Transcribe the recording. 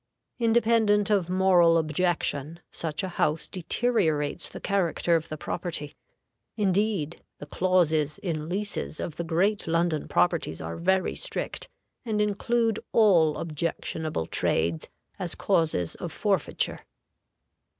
Independent of moral objection, such a house deteriorates the character of the property. Indeed, the clauses in leases of the great London properties are very strict, and include all objectionable trades as causes of forfeiture.